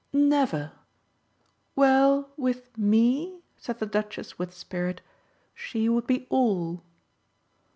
"Never! Well, with ME" said the Duchess with spirit, "she would be all."